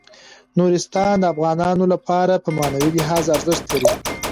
نورستان د افغانانو لپاره په معنوي لحاظ ارزښت لري.